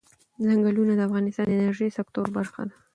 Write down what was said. ځنګلونه د افغانستان د انرژۍ سکتور برخه ده.